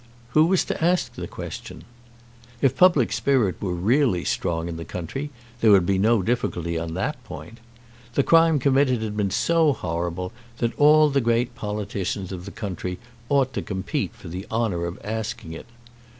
Who was to ask the question? If public spirit were really strong in the country there would be no difficulty on that point. The crime committed had been so horrible that all the great politicians of the country ought to compete for the honour of asking it.